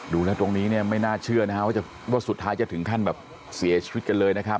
ดูแล้วตรงนี้เนี่ยไม่น่าเชื่อนะฮะว่าสุดท้ายจะถึงขั้นแบบเสียชีวิตกันเลยนะครับ